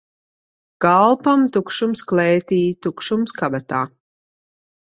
Kalpam tukšums klētī, tukšums kabatā.